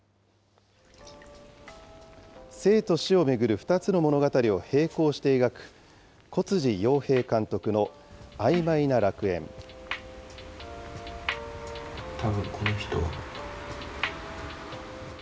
生と死を巡る２つの物語を平行して描く、小辻陽平監督の曖昧な楽たぶんこの人。